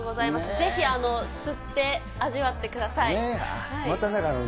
ぜひ、吸って味わってください。